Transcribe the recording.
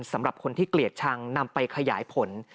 สำหรับคนที่เกลียดชังนำไปขยายผล